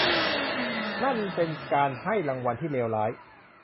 นั่นเป็นการให้รางวัลที่เลวร้าย !